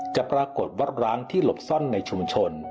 จะปรากฏวัดร้างที่หลบซ่อนในชุมชน